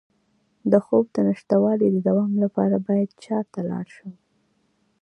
د خوب د نشتوالي د دوام لپاره باید چا ته لاړ شم؟